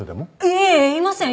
いいえいません。